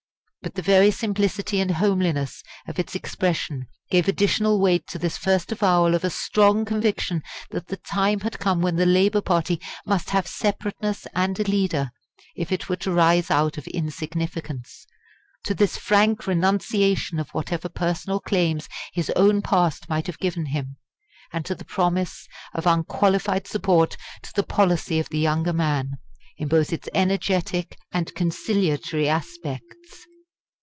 But the very simplicity and homeliness of its expression gave additional weight to this first avowal of a strong conviction that the time had come when the Labour party must have separateness and a leader if it were to rise out of insignificance; to this frank renunciation of whatever personal claims his own past might have given him; and to the promise of unqualified support to the policy of the younger man, in both its energetic and conciliatory aspects.